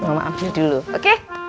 mama ambil dulu oke